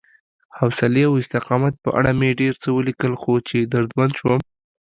حوصلې او استقامت په اړه مې ډېر څه ولیکل، خو چې دردمن شوم